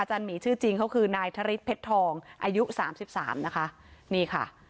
หมีชื่อจริงเขาคือนายทริสเพชรทองอายุสามสิบสามนะคะนี่ค่ะ